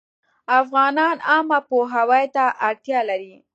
افغانان عامه پوهاوي ته اړتیا لري